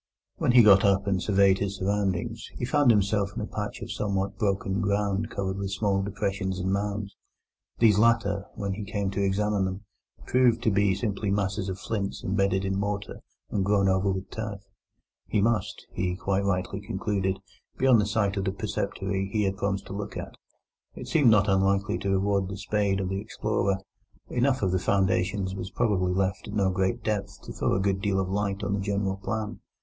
When he got up and surveyed his surroundings, he found himself in a patch of somewhat broken ground covered with small depressions and mounds. These latter, when he came to examine them, proved to be simply masses of flints embedded in mortar and grown over with turf. He must, he quite rightly concluded, be on the site of the preceptory he had promised to look at. It seemed not unlikely to reward the spade of the explorer; enough of the foundations was probably left at no great depth to throw a good deal of light on the general plan.